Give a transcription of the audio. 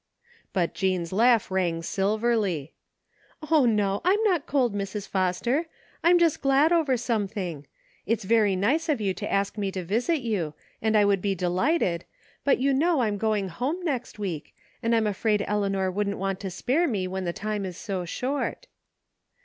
But Jean's laugh rang silverly. " Oh, no, I'm not cold, Mrs. Foster, I'm just glad over something. It's very nice of you to ask me to visit you, and I would be delighted, but you know I'm going home next week, and I'm afraid Eleanor wouldn't want to spare me when the time is so short."